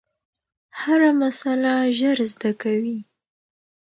هره مسئله ژر زده کوي.